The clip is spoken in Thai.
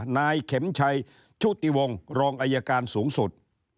นายเข็มชัยชุติวงศ์รองอายการสูงสุด